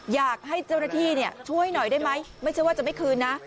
อยากให้เจ้าหน้าที่ช่วยหน่อยได้ไหมไม่ใช่ว่าจะไม่คืนนะ